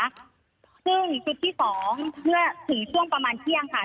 ซึ่งชุดที่๒เมื่อถึงช่วงประมาณเที่ยงค่ะ